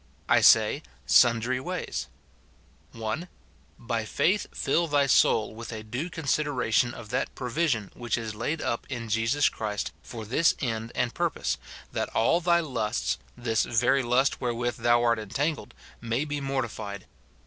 I say, Sundry ways :— 292 MORTIFICATION OF (1.) By faith fill thy soul with a due consideration of that provision which is laid up in Jesus Christ for this end and purpose, that all thy lusts, this very lust where with thou art entangled, may be mortified.